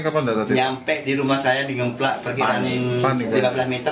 nyampe di rumah saya di ngemplak berkira kira lima belas meter